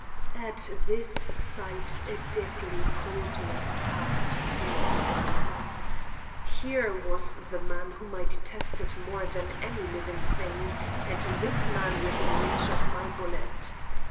At this sight a deadly coldness passed through my bones. Here was the man whom I detested more than any living thing, and this man within reach of my bullet.